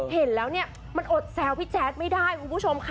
เห็นแล้วเนี่ยมันอดแซวพี่แจ๊ดไม่ได้คุณผู้ชมค่ะ